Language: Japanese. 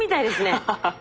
ハハハッ。